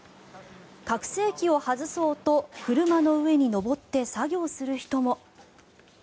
拡声器を外そうと車の上に登って作業する人も。